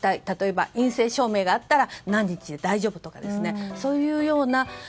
例えば陰性証明があったら何日で大丈夫とかそういうような。